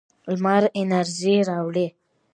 لمر انرژي راوړي.